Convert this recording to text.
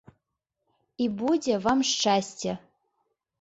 І будзе вам шчасце!